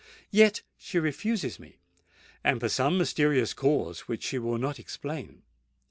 Yet she refuses me—and for some mysterious cause which she will not explain.